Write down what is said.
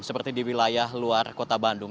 seperti di wilayah luar kota bandung